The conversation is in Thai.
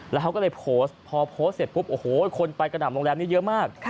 แล้วเขาก็เลยโพสต์พอโพสต์เสร็จปุ๊บโอ้โหคนไปกระหน่ำโรงแรมนี้เยอะมาก